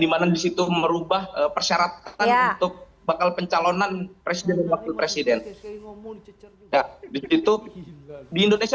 dimana disitu merubah persyaratan untuk bakal pencalonan presiden waktu presiden itu di indonesia